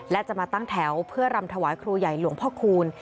และจะมาตั้งแถวเพื่อรำถวายครูใหญ่หลวงพ่อคูณ